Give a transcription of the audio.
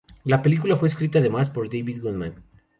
La película fue escrita además por David Goodman.